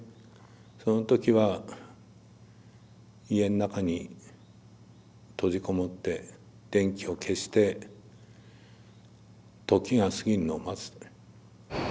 その時は家の中に閉じ籠もって電気を消して時が過ぎるのを待つ。